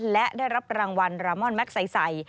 และได้รับรางวัลรามอนแม็กไซ